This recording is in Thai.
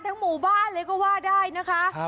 หมู่บ้านเลยก็ว่าได้นะคะ